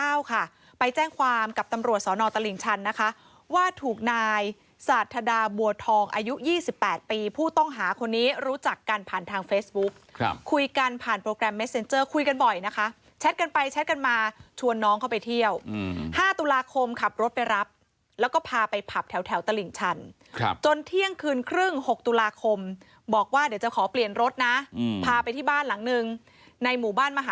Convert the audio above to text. ปี๑๙ค่ะไปแจ้งความกับตำรวจสอนอตลิ่งชันนะคะว่าถูกนายศาสตร์ธดาบัวทองอายุ๒๘ปีผู้ต้องหาคนนี้รู้จักกันผ่านทางเฟซบุ๊กคุยกันผ่านโปรแกรมเมสเซ็นเจอร์คุยกันบ่อยนะคะแชทกันไปแชทกันมาชวนน้องเข้าไปเที่ยว๕ตุลาคมขับรถไปรับแล้วก็พาไปผับแถวตลิ่งชันจนเที่ยงคืนครึ่ง๖ตุลาคม